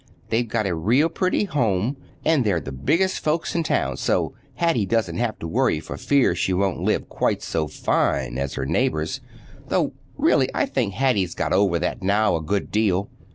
They've got a real pretty home, and they're the biggest folks in town, so Hattie doesn't have to worry for fear she won't live quite so fine as her neighbors—though really I think Hattie's got over that now a good deal.